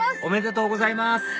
おめでとうございます